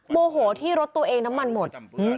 โมโหที่รถตัวเองน้ำมันหมด